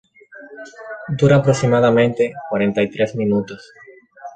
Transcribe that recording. Dura aproximadamente cuarenta y tres minutos.